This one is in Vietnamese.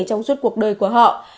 trong suốt cuộc đời của họ